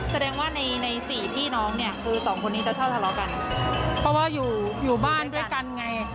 แสดงว่าในในสี่พี่น้องเนี่ยคือสองคนนี้จะชอบทะเลาะกันเพราะว่าอยู่อยู่บ้านด้วยกันไง